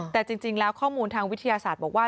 แต่จริงแล้วข้อมูลทางวิทยาศาสตร์บอกว่า